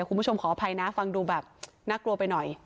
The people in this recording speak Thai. คุณผู้ชมขออภัยนะฟังดูแบบนักกลัวไปหน่อย